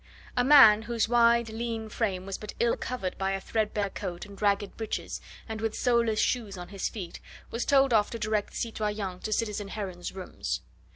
A man, whose wide, lean frame was but ill covered by a threadbare coat and ragged breeches, and with soleless shoes on his feet, was told off to direct the citoyen to citizen Heron's rooms.